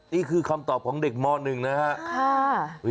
นี่คือคำตอบของเด็กมอดหนึ่งนะครับ